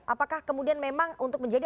apakah kemudian memang untuk menjadi